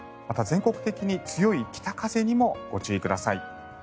全国的に強い北風にもご注意ください。